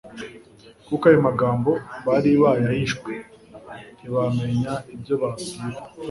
kuko ayo magambo bari bayahishwe, ntibamenya ibyo babwiwe.»